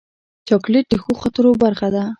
چاکلېټ د ښو خاطرو برخه ده.